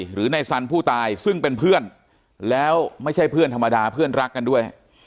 หรือในสันผู้ตายซึ่งเป็นเพื่อนแล้วไม่ใช่เพื่อนธรรมดาเพื่อนรักกันด้วย